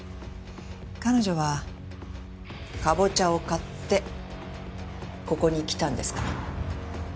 彼女はカボチャを買ってここに来たんですから。